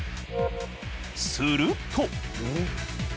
すると。